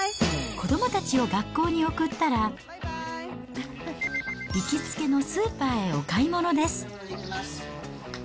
子どもたちを学校に送ったら、行きつけのスーパーへお買い物です。